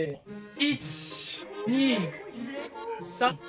１２３。